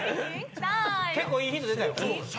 結構いいヒント出たよ。